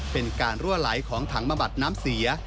เป็นการรั่วไหลของถังมาบัดน้ำเสีย